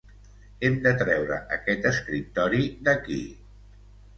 Hem de treure aquest escriptori d'aquí.